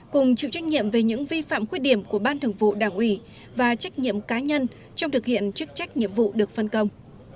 cùng chịu trách nhiệm về những vi phạm khuyết điểm của ban thường vụ đảng ủy và trách nhiệm cá nhân trong thực hiện chức trách nhiệm vụ được phân công